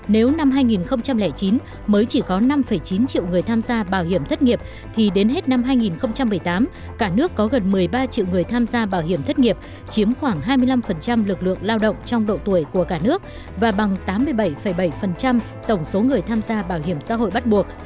nếu năm hai nghìn chín mới chỉ có năm chín triệu người tham gia bảo hiểm thất nghiệp thì đến hết năm hai nghìn một mươi tám cả nước có gần một mươi ba triệu người tham gia bảo hiểm thất nghiệp chiếm khoảng hai mươi năm lực lượng lao động trong độ tuổi của cả nước và bằng tám mươi bảy bảy tổng số người tham gia bảo hiểm xã hội bắt buộc